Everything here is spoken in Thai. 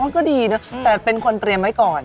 ก็ดีนะแต่เป็นคนเตรียมไว้ก่อน